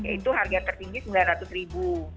itu harga tertinggi rp sembilan ratus ribu